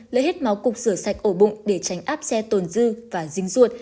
lấy hết máu cục sửa sạch ổ bụng để tránh áp xe tồn dư và dinh ruột